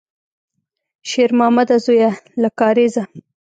شېرمامده زویه، له کارېزه!